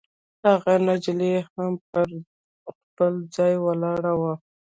هغه نجلۍ لا هم پر خپل ځای ولاړه وه.